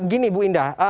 gini bu indah